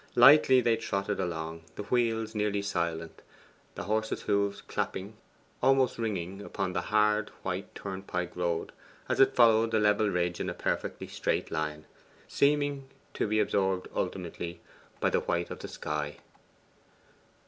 Lightly they trotted along the wheels nearly silent, the horse's hoofs clapping, almost ringing, upon the hard, white, turnpike road as it followed the level ridge in a perfectly straight line, seeming to be absorbed ultimately by the white of the sky.